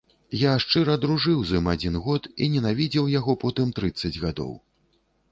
Я шчыра дружыў з ім адзін год і ненавідзеў яго потым трыццаць гадоў.